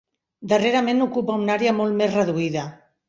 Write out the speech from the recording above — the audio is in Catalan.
Darrerament ocupa una àrea molt més reduïda.